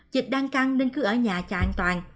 dịch đang căng nên cứ ở nhà cho an toàn